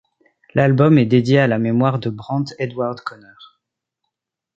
L'album est dédié à la mémoire de Brant Edward Conner.